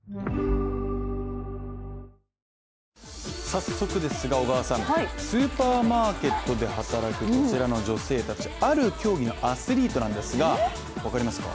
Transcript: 早速ですが、スーパーマーケットで働くこちらの女性たちある競技のアスリートなんですが分かりますか？